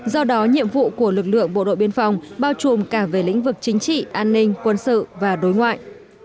do đó nhiệm vụ của lực lượng bộ đội biên phòng bao trùm cả về lĩnh vực chính trị an ninh quân sự và đối ngoại